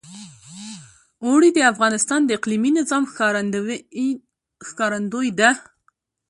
اوړي د افغانستان د اقلیمي نظام ښکارندوی ده.